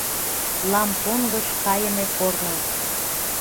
ЛАМПОНГЫШ КАЙЫМЕ КОРНО